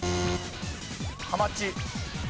ハマチ。